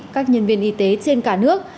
các nhân viên y tế trên cả nước